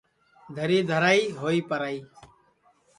دَھری دَھرائی ہوئی پرائی